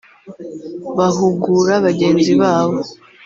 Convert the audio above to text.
bahugura bagenzi babo